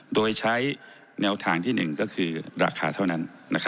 โดยใช้แนวทางที่๑ก็คือราคาเท่านั้น